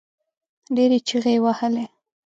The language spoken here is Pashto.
ډېرې چيغې يې وهلې.